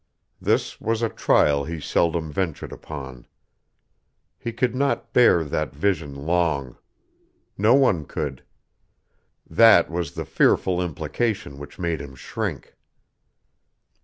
This was a trial he seldom ventured upon. He could not bear that vision long. No one could. That was the fearful implication which made him shrink.